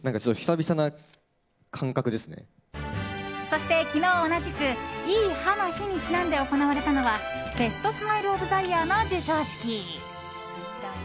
そして、昨日同じくいい歯の日にちなんで行われたのはベストスマイル・オブ・ザ・イヤーの授賞式。